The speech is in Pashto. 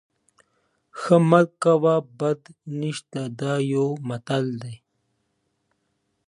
د تمرین اوبه.